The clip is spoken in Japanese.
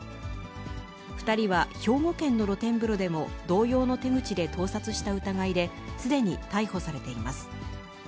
２人は兵庫県の露天風呂でも同様の手口で盗撮した疑いで、すでに逮捕されています。